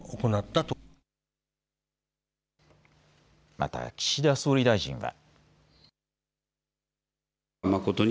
また岸田総理大臣は。